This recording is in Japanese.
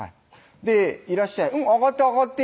「いらっしゃい上がって上がって」